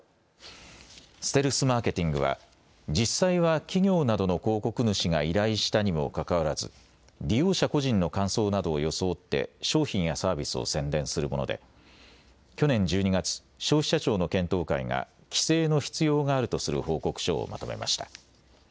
ステルスマーケティングは実際は企業などの広告主が依頼したにもかかわらず利用者個人の感想などを装って商品やサービスを宣伝するもので去年１２月、消費者庁の検討会が規制の必要があるとする報告書をまとめました。